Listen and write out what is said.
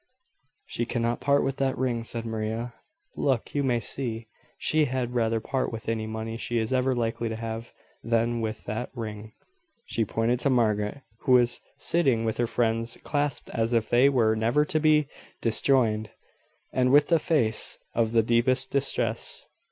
"She cannot part with that ring," said Maria. "Look! you may see she had rather part with any money she is ever likely to have than with that ring." She pointed to Margaret, who was sitting with her hands clasped as if they were never to be disjoined, and with a face of the deepest distress.